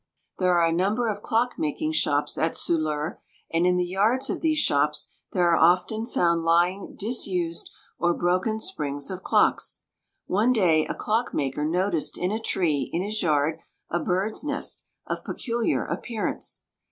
There are a number of clockmaking shops at Soleure, and in the yards of these shops there are often found lying disused or broken springs of clocks. One day a clock maker noticed in a tree in his yard a bird's nest of peculiar appearance.